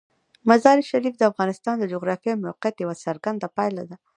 مزارشریف د افغانستان د جغرافیایي موقیعت یوه څرګنده پایله ده.